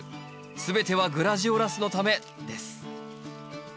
全てはグラジオラスのためです。